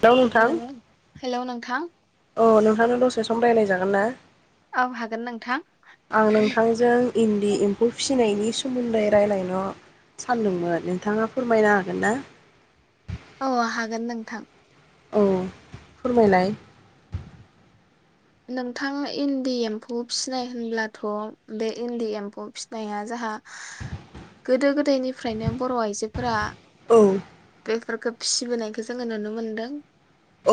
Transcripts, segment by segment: Hello नोंथां hello नोंथां अ नोंथांनो दसे सम रायलाय जागोन ना औ हागोन नोंथां आं नोंथांजों इन्दि एम्फौ फिसिनायनि सोमोन्दै रायज्लायन सानदोंमोन नोंथाङा फोरमायनो हागोन ना? औ हागोन नोंथां। औ फोरमायनायाय। नोंथाङा इन्दि एम्फौ फिसिनाय होनब्लाथ' बे इन्दि एम्फौ फिसिनाया जाहा गोदो गोदायनिफ्रायनो बर' आइजोफोरा औ। बेफोरखो फिसिबोनायखौ जोङो नुनो मोनदों।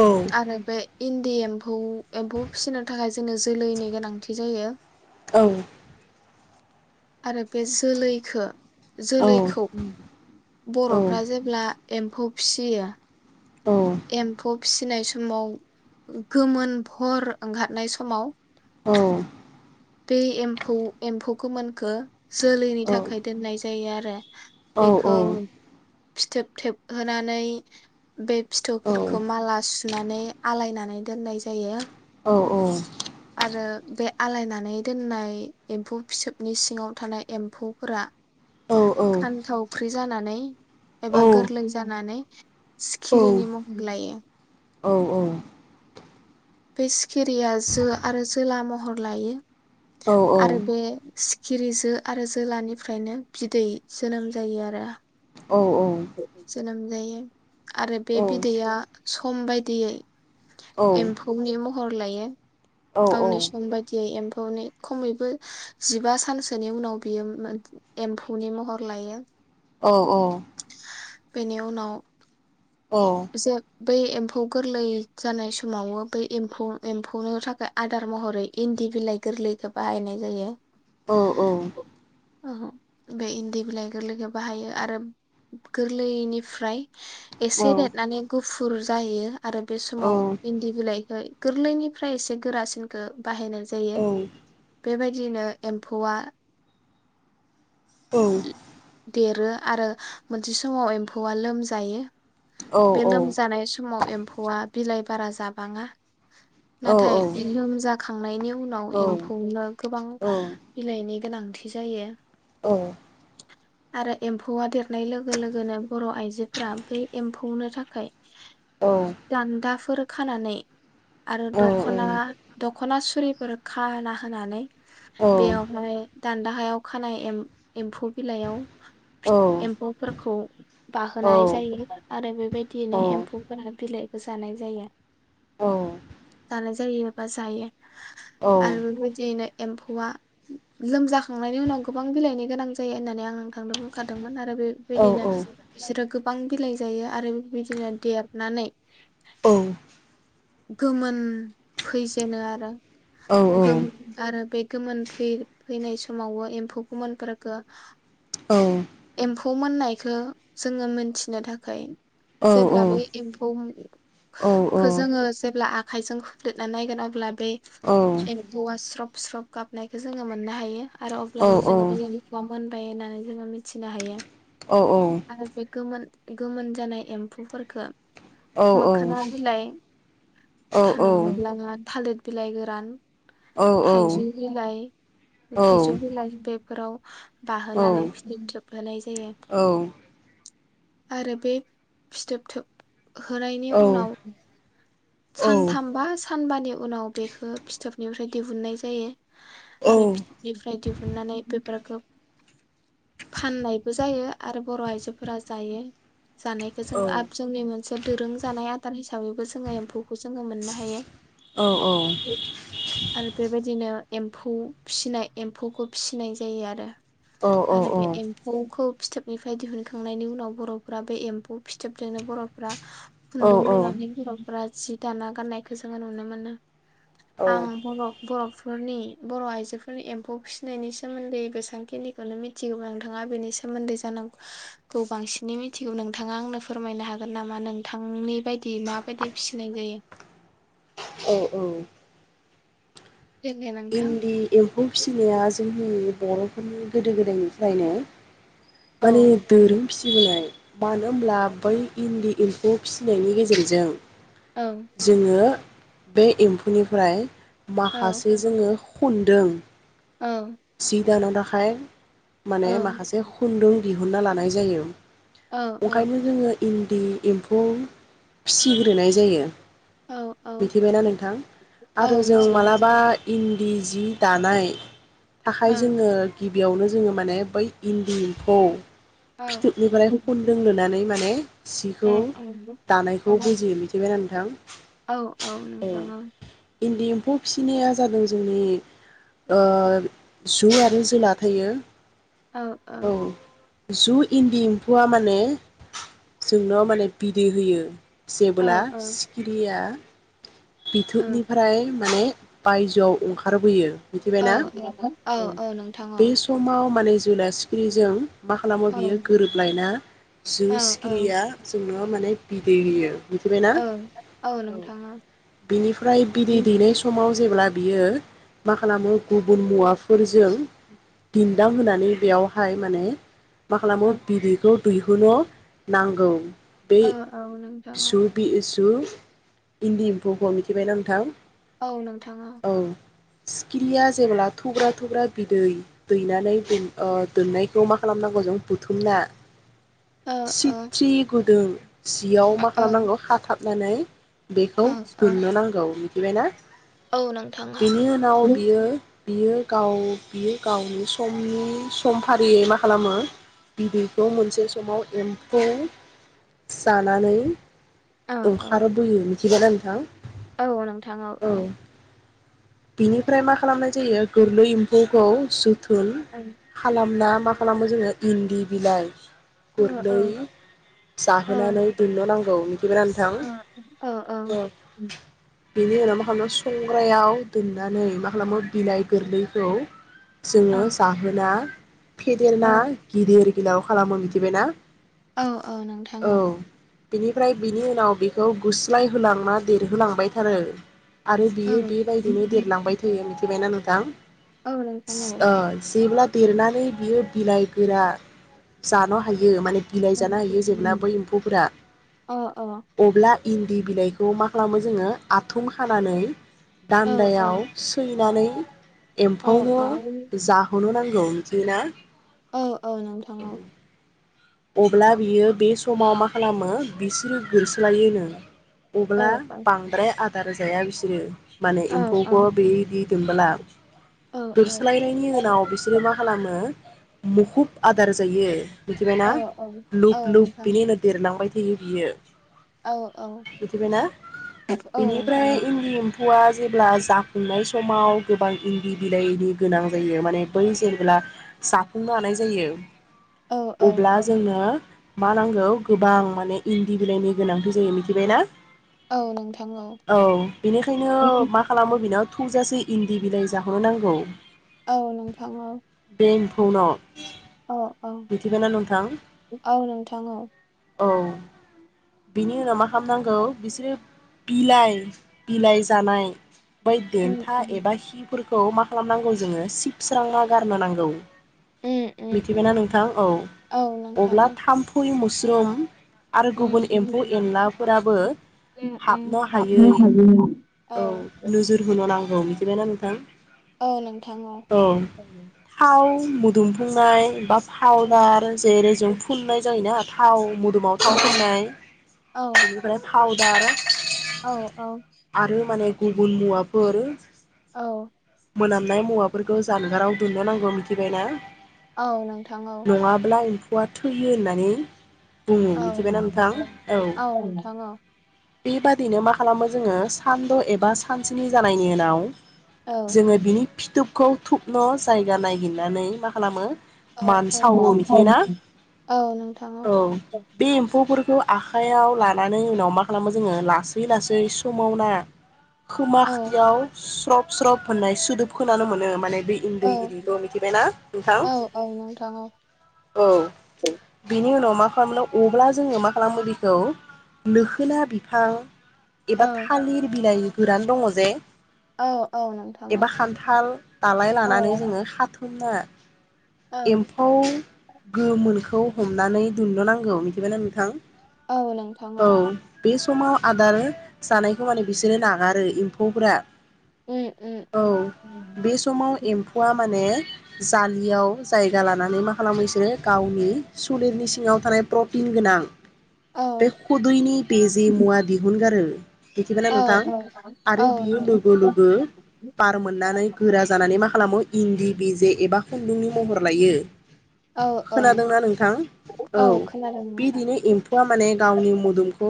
औ आरो बे हन्दि एमफौ एमफौ फिसिनो थाखाय जोंनो जोलैनि गोनांथि जायो। औ। आरो बे जोलैखो औ जोलैखौ ओं औ बर'फ्रा जेब्ला एम्फौ फिसियो एम्फौ फिसिनाय समाव गोमोन हर ओंखारखारनाय समाव औ बे एम्फौ एम्फौ गोमोनखो जोलैनि औ थाखाय दोननाय जायो आरो। औ बेखौ औ फिथोब थेबहोनै बे औ औ फिथौफोरखौ माला सुनानै आलायनानै दोननाय जायो। औ औ। आरो बे आलायनानै दोननाय एम्फौ फिसोबनि सिंङाव थानाय एम्फौफोरा खान्थावख्रि जानानै एबा गोरलै जानानै सिखि सिखिरिनि मुं लायो। औ औ। बे सिखिरिया जो आरो जोला महर लायो। आरो बे सिखिरि जो आरो जोलानिफ्रायनो बिदै जोनोम जायो आरो। जोनोम जायो आरो बे बिदैया सम बायदियै एम्फौनि म हर लायो गावनि सम बादियै एम फौ खमैबो जिबा सानसोनि उनाव बियो एम्फौनि महर लायो औ औ बेनि उनाव औ जे बै एम्फौ गोरलै जानाय समावबो बै एम्फौ एम्फौनो थाखाय आदार महरै इन्दि बिलाइ गोरलैखौ बाहायनाय जायो औ औ ओ बे इन्दि बिलाइ गोरलै बाहायो आरो गोरलैनिफ्राय एसे देरनानै गुफुर जाहैयो आरो बे औ समाव इन्दि बिलाइखौ गोरलैनिफ्राय एसे गोरासिनखो बाहायनाय जायो औ औ बेबायदिनो एम्फौआ औ देरो आरो मोनसे समाव एम्फौआ लोमजायो बे औ लोमजानाय स समाव एम्फौआ बिलाइ बारा जाबाङा नाथाय लोमजा खांनायनि उनाव एम्फौनो गोबां बिलाइनि गोनांथि जायो आरो एम्फौआ देरनाय लोगो लोगोनो बर' आइजोफोरा बै एम्फौनो थाखाय औ दान्दाफोर खानानै आरो दख'ना दख'ना सुरिफोर खाना होनानै बेयावहाय दान्दाहायाव खानाय एम एम्फौ बिलाइयाव फिथ एम्फौफोरखौ बाहोनाय जायो आरो बेबायदियैनो एम्फौफोरा बिलाइखौ जानाय जायो जानाय जायोबा जायो आरो बे बादिनो एम्फौआ लोमजाखांनायनि उनाव गोबां बिलाइनि गोनां जायो होननानै आं खांनो बुंखादोंमोन आरो बे बेदिनो बिसोरो गोब बां बिलाइ जायो आरो बेदिनो देबनानै गोमोन फैजेनो आरो बेखौ आरो बे गोमोन फै-फैनाय समावबो एम्फौ गोमोनफोरोखौ औ एम्फौ मोननायखौ जोङो मोनथिनो थाखाय जेब्लाबो एम्फौ खो जोङो जेब्ला आखाइजों खुलेदनानै नायगोनाब्ला बै एम्फौआ ज्रब स्रब गाबनायखौ जोङो मोननो हायो आरो अब्लानो जोङो बे एम्फौआ मोनबाय होननानै जोङो मिथिनो हायो। आरो बे गोमोन गोमोन जानाय एम्फौफोरखो मोखोना बिलाइ [unintelligible] थालिर बिलाइ गोरान थाइजौ बिलाइ थाइजौ बिलाइ बे फोराव बाहोनानै फिथोब थोबहोनाय जायो। आरो बे फिथोब थोब होनायनि उनाव सानथामबा सानबानि उनाव बेखो फिथोबनिफ्राय दिहुननाय जायो। आरो फिथोनिफ्राय दिहुननानै बेफोरखो फाननायबो जायो। आरो बर' आइजोफोरा जायो जानायखौ जों आब जोंनि मोनसे दोरों जानाय आदार हिसाबैबो जोङो एम फौखौ जोङो मोननो हायो। आरो बेबायदिनो एम्फौ फिनाय एम्फौखौ फिसिनाय जायो आरो। आरो बे एम्फौखौ फिथोबनिफ्राय दिहुनखांनायनि उनाव बर'फोरा बे एम्फौ फिथोबजोंनो बर'फ्रा खुन्दुं लुनानै [unintelligible] फुरा जि दाना गाननायखौ जोङो नुनो मोनो। आं बर' बर'फो फोरनि बर' आइजोफोरनि एम्फौ फिसिनायनि सोमोन्दै बेसांखिनिखौनो मिथिगौ। नोंथाङा बेनि सोमोन्दै जानांगौखौ बांसिनै मिथिगौ। नोंथाङा आंनो फोरमायनो हागोन नामा नोंथांनि बायदि मा बायदि फिसिनाय जायो? औ औ। देलाय नोंथां इन्दि एम्फौ फिसिनाया जोंनि बर'फोरनि गोदो गोदायनिफ्रायनो औ माने दोरों फिसिबोनाय मानो होमब्ला बै इन्दि एम्फौ फिसिनायनि गेजेरजों औ जोङो बे एम्फौनिफ्राय औ माखासे जोङो खनदों औ [unintelligible] थाखाय औ माने माखासे खुन्दुं दि हुनना लानाय जायो औ ओंखायनो जोङो इन्दि एम्फौ फिसिग्रोनाय जायो औ औ मिथिबायना नोंथां औ आरो जों मिथिदों मालाबा इन्दि जि दानाय थाखाय ओं जोङो गिबियावनो जोङो माने बै इन्दि एम्फौ औ फिथोबनिफ्राय ओ खुन्दुं लुनानै माने ओ औ सिखौ दानायखौ बुजियो मिथिबायना नों [unintelligible] औ औ नोंथां ओं इन्दि एम्फौ फिसिनाया जादों जोंनि ओ जु आरो जोला थायो औ औ जु इन्दि एम्फौआ माने जोंनाव माने बिदै होयो औ जेबोला औ ओ सिखिरिया बिथुनिफ्राय माने बायजोआव अंखारबोयो। औ मिथिबायना औ औ नोंथां [unintelligible] औ बे समाव माने जोलाया सिखिरिजों मा खालामो औ बियो गोरोबलायना जो औ औ सिखिरिया जोंनो माने बिदै होयो। मिथिबायना ओउ ओउ औ नोंथाङा बिनिफ्राय बिदै दैनाय समाव जेब्ला बियो मा खालामो गुबुन मुवाफोरजों दिन्दां होनानै बेयावहाय माने मा खालामो ओ बिदैखौ दैयो। होन नांगौ। बे औ औ नोंथाङा जु बि जु। इन्दि बखौ मिथिबायना नोंथां। औ नोंथाङा। औ सिखिरिया जेब्ला थुग्रा थुग्रा बिदै दैनानै ओह दोननायखौ मा खालामनांगौ जों बुथुमना ओ ओ सिथि गोदुं जियाव औ मा ओ खालामनांगौ खाथाबनानै बेखौ। दोनन नांगौ मिथिबायना ओ औ नोंथां औ बिनि उनाव बियो। बियो गाव बियो गावनि समनि सम फारियै मा खालामो बिदैखौ मोनसे समाव एम्फौ जानानै औ औ अंखार बोयो [unintelligible] थिबायना नोंथां। औ नोंथां औ औ। बिनिफ्राय मा खालामनाय जायो गोरलै एम्फौखौ जो धुल औ खालामनाम मा खालामो जोङो इन्दि बिलाइ। औ औ औ गुरनै जाहोनानै दोननो नांगौ मिथिबायना औ नोंथां [unintelligible] बेनि उनाव मा खालामो संग्रायाव दोननानै मा खालामो बिलाइ गोरलैखौ। औ जोङो जाहोना। फेदेरना गिदिर [unintelligible] खालामो मिथिबायना औ औ नोंथाङा बिनिफ्राय बिनि उनाव बेखौ गुस्लाय होलांना देरहोलांबायथारो आरो बियो बेबायदिनो देरलांबाय थायो [unintelligible] नोंथां औ नोंथां औ ओ जेब्लाद देरनानै बियो बिलाइ गोरा जान' हायो माने बिलाइ औ जानो हायो जेब्ला बै एम्फौफोरा औ औ अब्ला इन्दि बिलाइखौ मा खालामो जोङो आथुम खानानै औ दान्दायाव सैनानै औ एम्फौनो जाहोनो नां [unintelligible] अ अ नोंथां औ अब्ला बियो बे समाव मा खालामो बिसोरो गोरस्लायोनो औ अब्ला औ बांद्राय आग दार जाया बिसोरो माने औ औ एम्फौखौ बेइ दि [unintelligible] औ दोरस्लायनायनि उनाव बिसोरो मा खालामो मुखुब आदार जायो औ मिथिबायना औ लुप लुप नोंथां बिनि उनाव देरलांबाय होयो बियो औ मिथिबायना औ नोंथां औ बेनिफ्राय इन्दि एम्फौआ जेब्ला जाफुंनाय समाव गोबां इन्दि बिलाइनि गोनां जायो माने बै जेब्ला जाफुंनो हानाय जायो औ औ अब्ला जोंनो मा नांगौ गोबां माने इन्दि बिलाइनि गोनांथि जायो मिथिबायना औ नोंथां औ बेनिखायनो मा खालामो बेनाव थौजासेै इन्दि बिलाय जाहन नांगौ औ नोंथां औ [unintelligible] औ मिथिबायना नोंथां औ नोंथां औ औ बिनि उनाव मा खामनांगौ बिसोरो बिलाइ बिलाइ जानाय बै उम देन्था उम एबा हि फोर खौ मा खालामनांगौ जोङो सिबस्राना गारनो नांगौ उम उम उम मिथिबायना नों औ औ नोंथां अब्ला औ थामफु मोसरुम आरो उम गुबुन उम एम्फौ एनलाफोराबो उम हाबनो उम हायै हायैया औ नोजोर होनो नांगौ थिबायना नोंथां औ नोंथां औ मुदुमफुंनाय बा पाउदार जेरै जों फुननाय जायोना? थाव मुं दुमाव थाव फोनाय औ औ बेनिफ्राय थाव [unintelligible] औ औ माने गुबुन मुवाफोर औ मोनामनाय मुवाफोरखौ जानगाराव दोननो नांगौ मिथिबाय ना? औ नोंथां औ फौवा थैयो होननानै बुङो औ मिथिबायना नोंथां औ नोंथां औ बेबादिनो मा खालामो जोङो सानद' एबा सानस्नि जानायनि उनाव औ जोङो बिनि फिथुबखौ थुबन' जायगा नायहगिरनानै मा खालामो औ औ मानसावो बिथियोना औ नोंथां औ बे एम्फौफोर खौ आखाइयाव लानानै उनाव मा खालामो जोङो लासै लासै सुमावना खोमा औ खाथियाव स्रब स्रब होननाय सुदोब खानो मोनो माने बि औ इन्दि एम्फौखौ मिथिबाय ना नोंथां औ औ नोंथां औ औ बि बेनि उनाव मा खालामो अब्ला जोङो मा खालामो बेखौ लोखोना बिफां एबा औ थालिर बिलाहि गोरान दङ जे औ नोंथां एबा खान्थाल दालाय औ लानानै जोङो हाथुमना औ एम्फौ गोमोनखौ हमनानै दन्द नांगौ मिथिबाय ना नोंथां। औ नोंथां औ। बे समाव आदार जानायखौ माने बिसोरो नागारो एम्फौफोरा उम उम औ उम बे समाव एम्फौआ माने जालियाव जायगा लानानै मा खालामो बिसोरो गावनि सलेरनि सिङाव थानाय प्रटिन गोनां औ बे खुदैनि बेजे मुवा दिहुनगारो बेखिबायना औ नोंथां औ औ आरो बियो लोगो लोगो बार मोननानै गोरा जानानै खालामो इन्दि बिजे एबा खुन्दुंनि। महर लायो। औ खोनादोंना नोंथां औ खोनादों नोंथां बिदिनो एम्फौआ माने गावनि मोदोमखौ।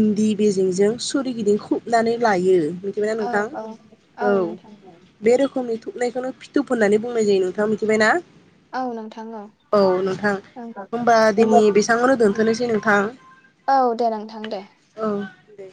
इन्दि बेजेेंजों सोररिगिदिं खुबनानै लायो। मिथिबाय ना औ नोंथां औ औ बे रोखोमनि। नायखौनो फिथोब होननानै बुंनाय जायो। दा मिथिबायना। औ नोंथां होनबा दिनै औ बेसेबांआवनो दोनथनोसै नोंथां औ दे नोंथां दे औ। दे।